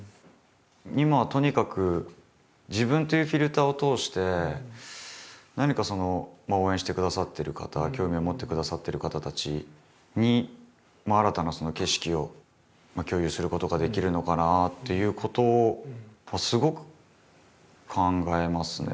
今はとにかく自分というフィルターを通して何か応援してくださってる方興味を持ってくださってる方たちに新たな景色を共有することができるのかなっていうことはすごく考えますね。